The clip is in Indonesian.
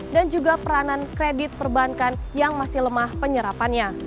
dan juga peranan kredit perbankan yang masih lemah penyerapannya